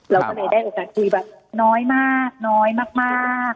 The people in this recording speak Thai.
เราก็เลยได้โอกาสคุยแบบน้อยมากน้อยมาก